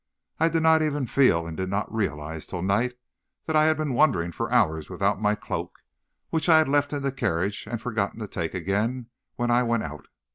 I did not even feel; and did not realize till night that I had been wandering for hours without my cloak, which I had left in the carriage and forgotten to take again when I went out.